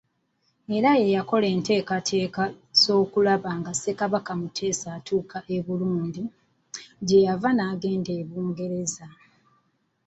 Era nga ye yakola enteekateeka z’okulaba nga Ssekabaka Muteesa atuuka e Burundi, gye yava n'agenda e Bungereza.